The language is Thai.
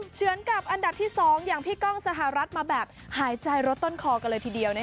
เฉือนกับอันดับที่๒อย่างพี่ก้องสหรัฐมาแบบหายใจรถต้นคอกันเลยทีเดียว